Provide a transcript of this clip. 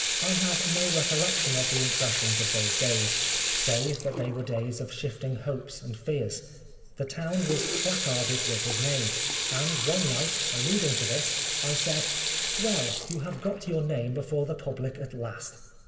I have no recollection of the impressions of those days, save that they were days of shifting hopes and fears. The town was placarded with his name ; and one night, alluding to this, I said, " Well, you have got your name before the public at last."